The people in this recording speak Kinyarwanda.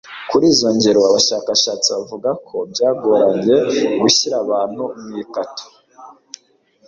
kuri izo ngero, abashakashatsi bavuga ko byagoranye gushyira abantu mu kato